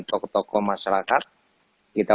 tokoh tokoh masyarakat kita